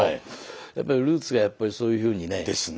やっぱりルーツがやっぱりそういうふうにね。ですね。